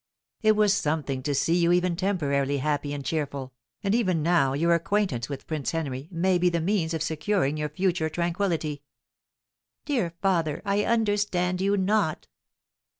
It was something to see you even temporarily happy and cheerful, and even now your acquaintance with Prince Henry may be the means of securing your future tranquillity." "Dear father, I understand you not."